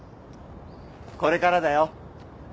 これからだよ。